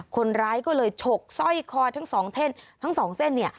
คนร้ายก็เลยฉกสร้อยคอทั้ง๒เส้น